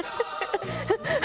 ハハハハ！